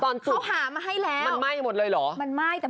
ตอนจุดมันไหม้หมดเลยเหรอ